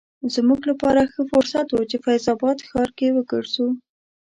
زموږ لپاره ښه فرصت و چې فیض اباد ښار کې وګرځو.